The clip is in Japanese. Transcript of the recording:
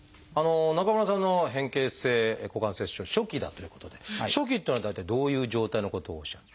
中村さんの変形性股関節症初期だということで初期っていうのは大体どういう状態のことをおっしゃる？